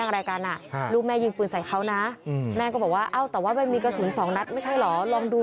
รู้ไม่ยิงปืนใส่เขานะแม่ก็บอกว่าเอาตอบว่ามันมีกระสุน๒นัทไม่ใช่หรอลองดู